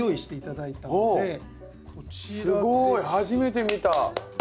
初めて見た。